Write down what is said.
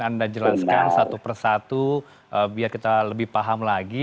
anda jelaskan satu persatu biar kita lebih paham lagi